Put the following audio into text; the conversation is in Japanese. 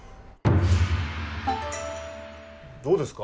どうですか？